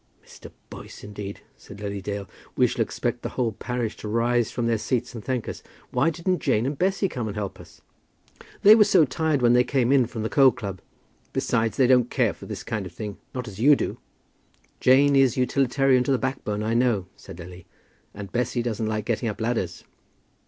"Mr. Boyce, indeed!" said Lily Dale. "We shall expect the whole parish to rise from their seats and thank us. Why didn't Jane and Bessy come and help us?" "They were so tired when they came in from the coal club. Besides, they don't care for this kind of thing, not as you do." "Jane is utilitarian to the backbone, I know," said Lily, "and Bessy doesn't like getting up ladders."